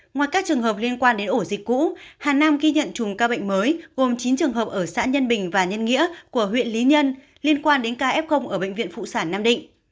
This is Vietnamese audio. ngoài các trường hợp liên quan đến ổ dịch cũ hà nam ghi nhận chùm ca bệnh mới gồm chín trường hợp ở xã nhân bình và nhân nghĩa của huyện lý nhân liên quan đến ca f ở bệnh viện phụ sản nam định